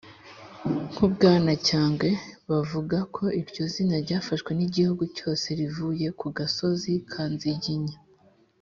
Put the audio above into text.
nk’ubwanacyambwe, bavuga ko iryo zina ryafashe n’igihugu cyose rivuye ku gasozi kanziginya